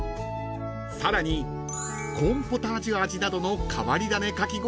［さらにコーンポタージュ味などの変わり種かき氷も満載］